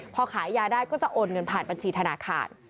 พอขายยาได้ก็จะโอนเงินผ่านบัญชีธนาคาร